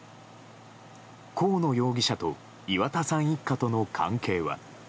河野容疑者と岩田さん一家との関係は。